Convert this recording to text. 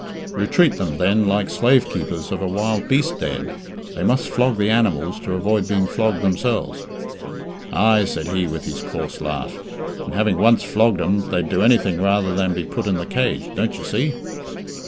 "You treat them then like slave keepers of a wild beast den. They must flog the animals to avoid being flogged themselves." "Ay," said he, with his coarse laugh, "and having once flogged 'em, they'd do anything rather than be put in the cage, don't you see!"